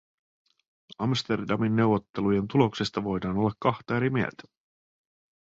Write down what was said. Amsterdamin neuvottelujen tuloksista voidaan olla kahta eri mieltä.